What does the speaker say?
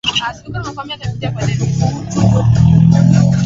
Sifa moja kubwa ambayo watu waliowahi kufanya naye kazi wanaisema